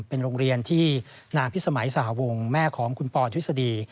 เป็นโรงเรียนที่นางพิสมัยสหวงแม่ของคุณปอทฤษฎี